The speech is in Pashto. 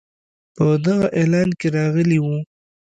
په دغه اعلان کې راغلی وو.